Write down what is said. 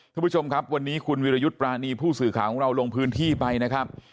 คุณผู้ชมครับวันนี้คุณวิรยุทธ์ปรานีผู้สื่อข่าวของเราลงพื้นที่ไปนะครับ